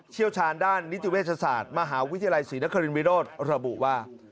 เชี่ยวชาญด้านนิติเวชศาสตร์มหาวิทยาลัยศรีนครินวิโรธระบุว่า